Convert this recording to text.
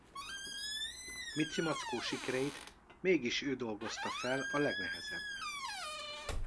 Micimackó sikereit mégis ő dolgozta fel a legnehezebben.